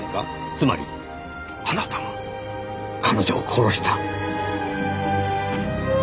つまりあなたが彼女を殺した。